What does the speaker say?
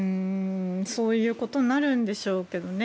そういうことになるんでしょうけどね。